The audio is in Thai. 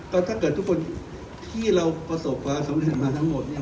ก็ถ้าเกิดทุกคนที่เราประสบความสำเร็จมาทั้งหมดเนี่ย